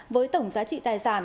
với tổng giá trị tài sản